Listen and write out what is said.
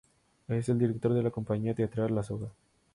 Es el director de la compañía teatral "La Soga".